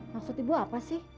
maksud ibu apa sih